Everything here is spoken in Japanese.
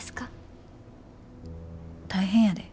大変やで。